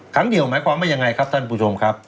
ครั้งเดียวหมายความว่ายังไงครับท่านผู้ชมครับ